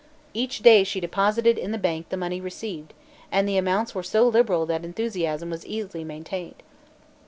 Each day she deposited in the bank the money received, and the amounts were so liberal that enthusiasm was easily maintained.